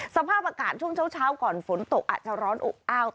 สภาพอากาศช่วงเช้าก่อนฝนตกอาจจะร้อนอบอ้าว